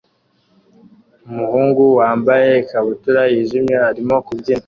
umuhungu wambaye ikabutura yijimye arimo kubyina